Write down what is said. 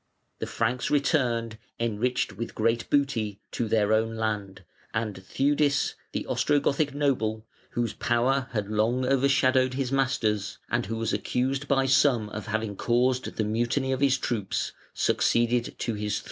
The Franks returned, enriched with great booty, to their own land, and Theudis, the Ostrogothic noble, whose power had long overshadowed his master's, and who was accused by some of having caused the mutiny of his troops, succeeded to his throne.